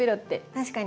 確かに。